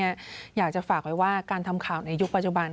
อยากจะฝากไว้ว่าการทำข่าวในยุคปัจจุบัน